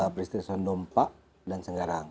prestasi ndompa dan senggarang